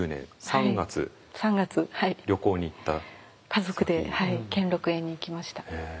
家族で兼六園に行きました。